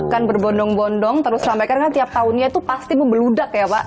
kan berbondong bondong terus sampai karena tiap tahunnya itu pasti membeludak ya pak